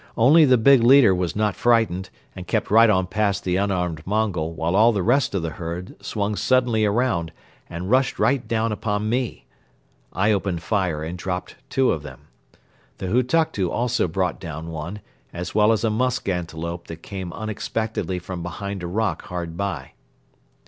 Only the big leader was not frightened and kept right on past the unarmed Mongol while all the rest of the herd swung suddenly round and rushed right down upon me. I opened fire and dropped two of them. The Hutuktu also brought down one as well as a musk antelope that came unexpectedly from behind a rock hard by.